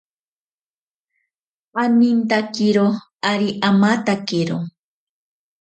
Anintakiro ari amatakero.